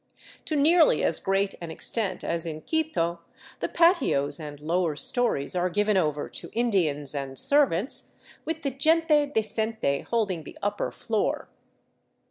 To nearly as great an extent as in Quito the patios and lower stories are given over to Indians and servants, with the " gente decente " holding the upper floor.